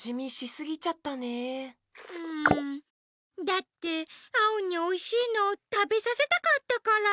だってアオにおいしいのたべさせたかったから。